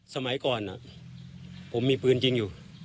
สมัยก่อนผมมีปืนจริงอยู่